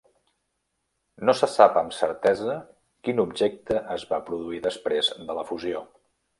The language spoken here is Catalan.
No se sap amb certesa quin objecte es va produir després de la fusió.